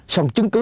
xong chứng cứ